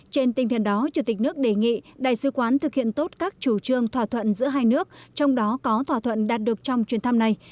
trên tinh thần đó chủ tịch nước đề nghị đại sứ quán thực hiện tốt các chủ trương thỏa thuận giữa hai nước trong đó có thỏa thuận đạt được trong chuyến thăm này